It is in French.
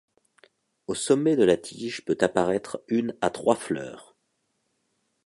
Au sommet de la tige peut apparaître une à trois fleurs.